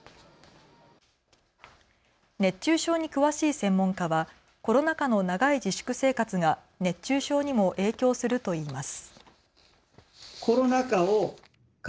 熱中症に詳しい専門家はコロナ禍の長い自粛生活が熱中症にも影響するといいます。